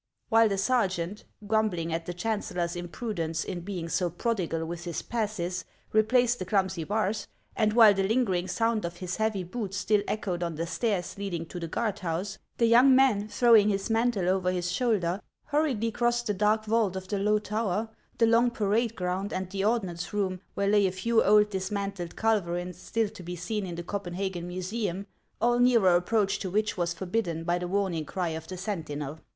While the sergeant, grumbling at the chancellor's im prudence in being so prodigal with his passes, replaced the clumsy bars, and while the lingering sound of his heavy boots still echoed on the stairs leading to the guard house, 40 HANS OF ICELAND. the young man, throwing his mantle over his shoulder, hurriedly crossed the dark vault of the low tower, the long parade ground, and the ordnance room, where lay a few old dismantled culverius, still to be seen in the Copen hagen museum, all nearer approach to which was forbidden by the warning cry of a sentinel.